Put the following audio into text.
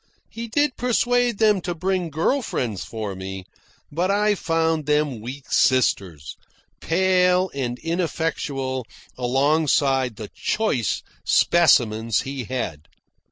He did persuade them to bring girl friends for me; but I found them weak sisters, pale and ineffectual alongside the choice specimens he had.